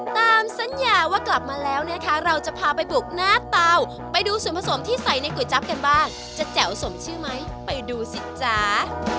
ตามสัญญาว่ากลับมาแล้วนะคะเราจะพาไปบุกหน้าเตาไปดูส่วนผสมที่ใส่ในก๋วยจั๊บกันบ้างจะแจ๋วสมชื่อไหมไปดูสิจ๊ะ